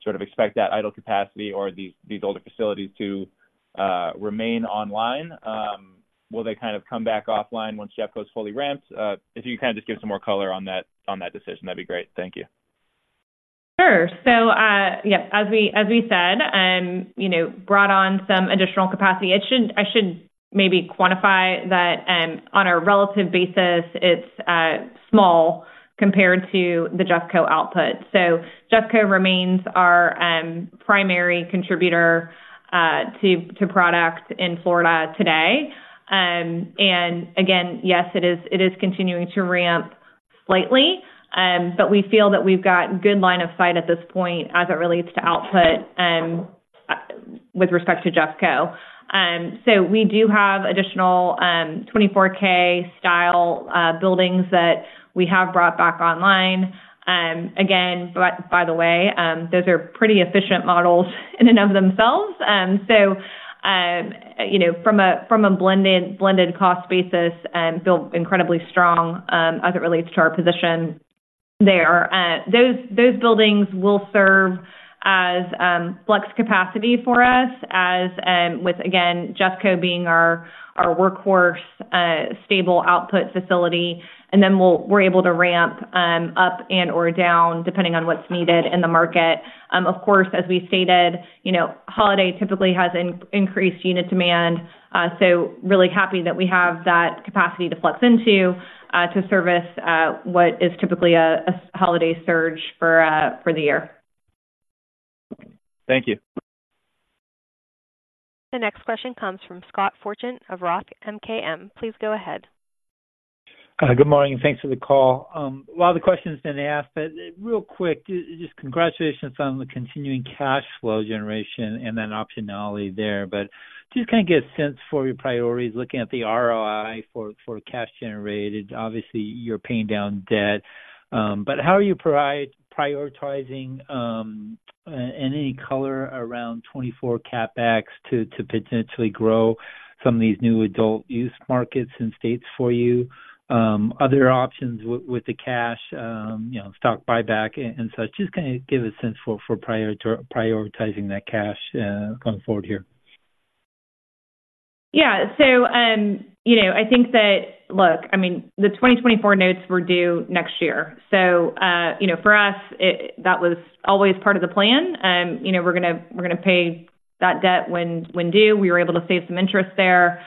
K: sort of expect that idle capacity or these older facilities to remain online? Will they kind of come back offline once JeffCo is fully ramped? If you can just give some more color on that, on that decision, that'd be great. Thank you.
C: Sure. So, yeah, as we said, you know, brought on some additional capacity. It shouldn't. I should maybe quantify that, on a relative basis, it's small compared to the JeffCo output. So JeffCo remains our primary contributor to product in Florida today. And again, yes, it is continuing to ramp slightly, but we feel that we've got good line of sight at this point as it relates to output with respect to JeffCo. So we do have additional 24K style buildings that we have brought back online. Again, by the way, those are pretty efficient models in and of themselves. So, you know, from a blended cost basis, feel incredibly strong as it relates to our position there. Those buildings will serve as flex capacity for us as with, again, JeffCo being our workhorse stable output facility, and then we're able to ramp up and/or down, depending on what's needed in the market. Of course, as we stated, you know, holiday typically has increased unit demand, so really happy that we have that capacity to flex into to service what is typically a holiday surge for the year.
K: Thank you.
A: The next question comes from Scott Fortune of Roth MKM. Please go ahead.
L: Good morning, and thanks for the call. A lot of the questions been asked, but real quick, just congratulations on the continuing cash flow generation and then optionality there. But just kind of get a sense for your priorities, looking at the ROI for cash generated. Obviously, you're paying down debt, but how are you prioritizing any color around 2024 CapEx to potentially grow some of these new adult-use markets and states for you? Other options with the cash, you know, stock buyback and such. Just kind of give a sense for prioritizing that cash going forward here.
C: Yeah. So, you know, I think that. Look, I mean, the 2024 notes were due next year. So, you know, for us, it. That was always part of the plan. You know, we're gonna, we're gonna pay that debt when, when due. We were able to save some interest there,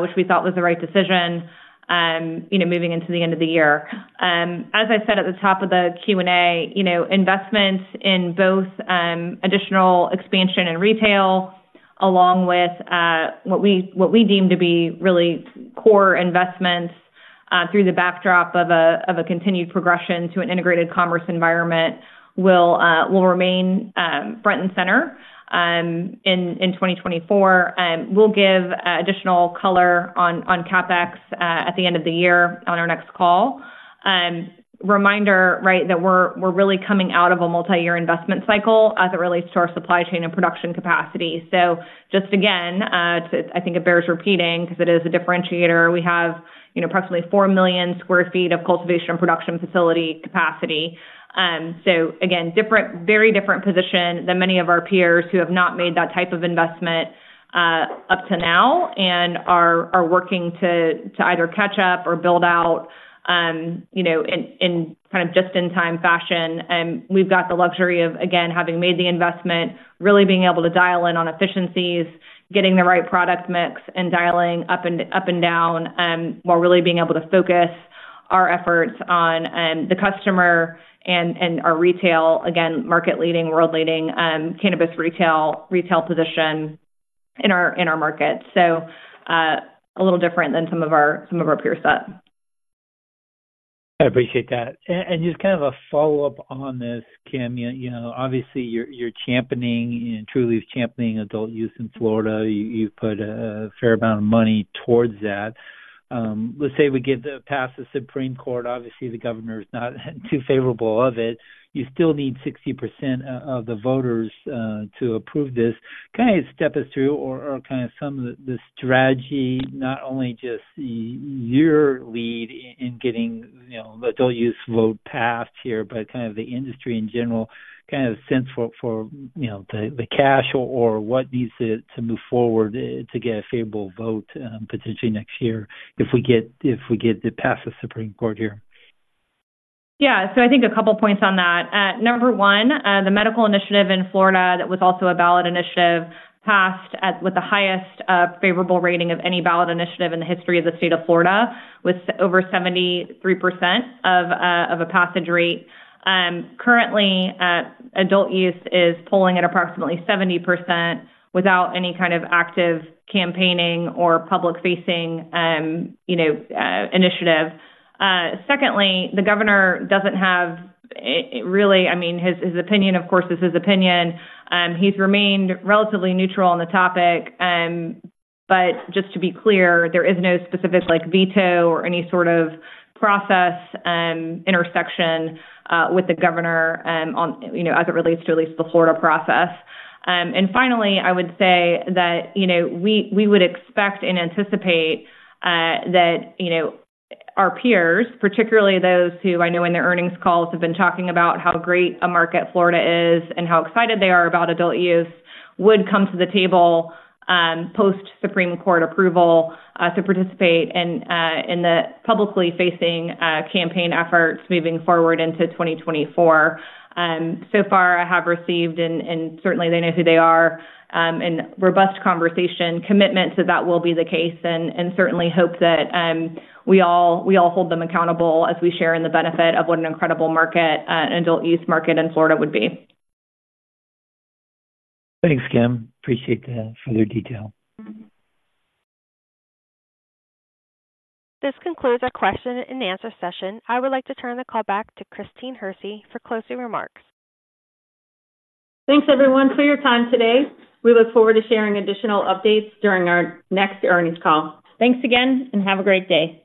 C: which we thought was the right decision, you know, moving into the end of the year. As I said at the top of the Q&A, you know, investments in both, additional expansion in retail, along with, what we, what we deem to be really core investments, through the backdrop of a, of a continued progression to an integrated commerce environment, will, will remain, front and center, in 2024. We'll give additional color on CapEx at the end of the year on our next call. Reminder, right, that we're really coming out of a multi-year investment cycle as it relates to our supply chain and production capacity. So just again, I think it bears repeating, because it is a differentiator. We have, you know, approximately four million sq ft of cultivation and production facility capacity. So again, very different position than many of our peers who have not made that type of investment up to now and are working to either catch up or build out, you know, in kind of just-in-time fashion. And we've got the luxury of, again, having made the investment, really being able to dial in on efficiencies, getting the right product mix, and dialing up and up and down, while really being able to focus our efforts on the customer and our retail. Again, market-leading, world-leading, cannabis retail position in our market. So, a little different than some of our peer set.
L: I appreciate that. Just kind of a follow-up on this, Kim, you know, obviously you're championing and truly championing adult use in Florida. You've put a fair amount of money towards that. Let's say we get to pass the Supreme Court. Obviously, the governor is not too favorable of it. You still need 60% of the voters to approve this. Kind of step us through or kind of some of the strategy, not only just your lead in getting, you know, adult use vote passed here, but kind of the industry in general, kind of sense for, you know, the cash or what needs to move forward to get a favorable vote, potentially next year, if we get to pass the Supreme Court here.
C: Yeah. So I think a couple points on that. Number one, the medical initiative in Florida, that was also a ballot initiative, passed with the highest favorable rating of any ballot initiative in the history of the state of Florida, with over 73% of a passage rate. Currently, adult use is polling at approximately 70% without any kind of active campaigning or public-facing, you know, initiative. Secondly, the governor doesn't have really, I mean, his opinion, of course, is his opinion. He's remained relatively neutral on the topic. But just to be clear, there is no specific, like, veto or any sort of process intersection with the governor, on, you know, as it relates to at least the Florida process. And finally, I would say that, you know, we would expect and anticipate that, you know, our peers, particularly those who I know in their earnings calls have been talking about how great a market Florida is and how excited they are about adult use, would come to the table post-Supreme Court approval to participate in the publicly facing campaign efforts moving forward into 2024. So far, I have received, and certainly they know who they are, in robust conversation, commitment to that will be the case, and certainly hope that we all hold them accountable as we share in the benefit of what an incredible market adult use market in Florida would be.
L: Thanks, Kim. Appreciate the further detail.
A: This concludes our question and answer session. I would like to turn the call back to Christine Hersey for closing remarks.
C: Thanks, everyone, for your time today. We look forward to sharing additional updates during our next earnings call. Thanks again, and have a great day.